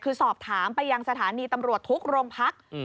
คือสอบถามไปยังสถานีตำรวจทุกโรงพัก